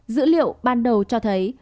dữ liệu ban đầu cho thấy